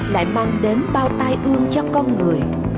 lại mang đến bao tai ương cho con người